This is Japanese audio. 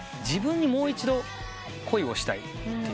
自分にもう一度恋をしたい。